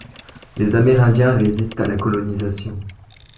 Les Amérindiens résistent à la colonisation.